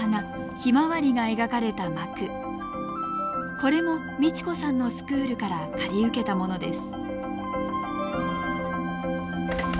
これも美智子さんのスクールから借り受けたものです。